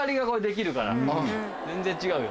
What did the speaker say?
全然違うよ。